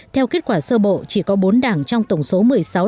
theo kết quả sơ bộ chỉ có bốn đảng trong tổng số một mươi sáu đảng